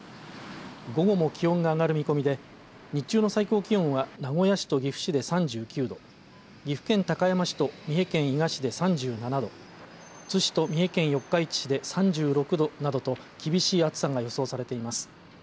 午後も気温が上がる見込みで日中の最高気温は名古屋市と岐阜市で３９度岐阜県高山市と三重県伊賀市で３７度津市と三重県四日市市で３６度などと厳しい暑さが予想されています。